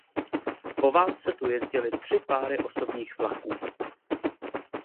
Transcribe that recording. Po válce tu jezdily tři páry osobních vlaků.